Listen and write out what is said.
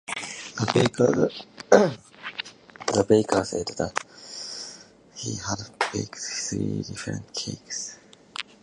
The baker said that he had baked three different cakes.